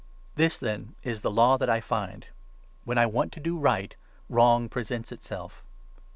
This, then, is the 21 law that I find — When I want to do right, wrong presents itself!